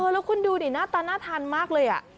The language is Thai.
แล้วคุณดูหน้าตาหน้าทานมากเลยอ่ะ